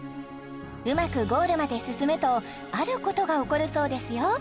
うまくゴールまで進むとあることが起こるそうですよ